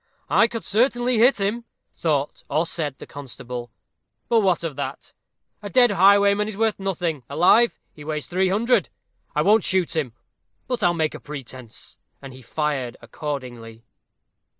"I could certainly hit him," thought, or said, the constable; "but what of that? A dead highwayman is worth nothing alive, he weighs 300_l_. I won't shoot him, but I'll make a pretence." And he fired accordingly.